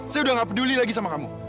saya udah gak peduli lagi sama kamu